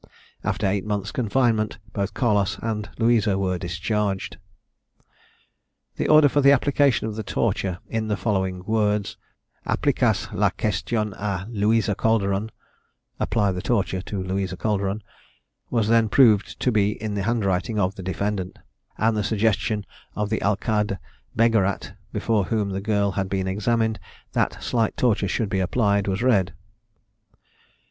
After the eight months' confinement, both Carlos and Louisa were discharged. The order for the application of the torture, in the following words "Applicase la question a Louisa Calderon" (Apply the torture to Louisa Calderon) was then proved to be in the handwriting of the defendant; and the suggestion of the alcade Beggerat, before whom the girl had been examined, that slight torture should be applied, was read.